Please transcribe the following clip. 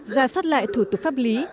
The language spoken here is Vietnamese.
gia sát lại thủ tục pháp lý